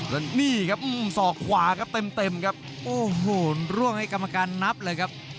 และนี่ครับศอกขวาครับเต็มครับโอ้โหร่วงให้กรรมการนับเลยครับ